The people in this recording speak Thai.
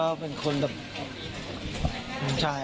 ก็เป็นคนแบบเหมือนชาย